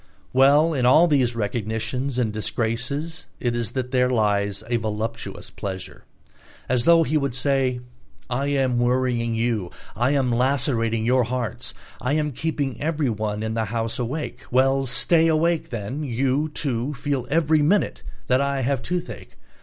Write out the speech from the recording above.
Well, in all these recognitions and disgraces it is that there lies a voluptuous pleasure. As though he would say: "I am worrying you, I am lacerating your hearts, I am keeping everyone in the house awake. Well, stay awake then, you, too, feel every minute that I have toothache.